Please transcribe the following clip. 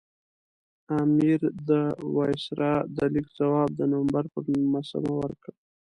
امیر د وایسرا د لیک ځواب د نومبر پر نولسمه ورکړ.